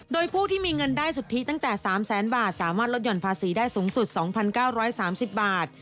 โดยผู้ที่มีเงินได้สุทธิตั้งแต่๓แสนบาทสามารถลดห่อนภาษีได้สูงสุด๒๙๓๐บาท